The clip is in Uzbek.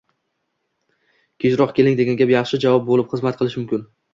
kechroq keling”, degan gap yaxshi javob bo‘lib xizmat qilishi mumkin.